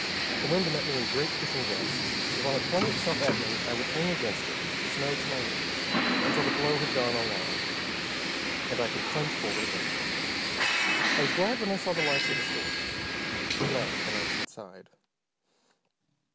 The wind met me in great pushing gusts, and while it flung itself at me I would hang against it, snow to my knees, until the blow had gone along, when I could plunge forward again. I was glad when I saw the lights of the store, glad when I was inside.